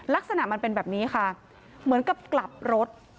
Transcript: ลักษณะมันเป็นแบบนี้ค่ะเหมือนกับกลับรถ